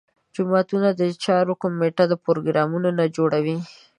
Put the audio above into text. جوماتونو د چارو کمیټه پروګرامونه جوړوي.